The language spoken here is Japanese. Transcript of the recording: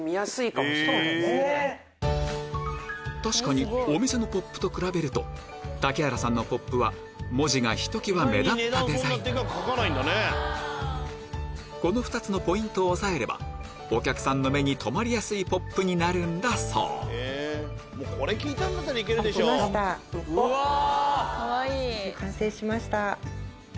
確かにお店のポップと比べると竹原さんのポップは文字がひときわ目立ったデザインこの２つのポイントを押さえればお客さんの目に留まりやすいポップになるんだそう完成しました。